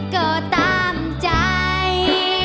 ก็ตามใจ